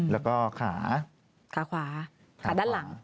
แล้วขาด้านหลัง